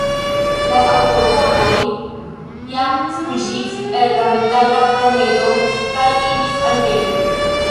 La aŭtobotoj jam fuĝis el la metala planedo kaj iris al Tero.